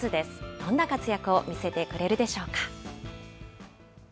どんな活躍を見せてくれるでしょ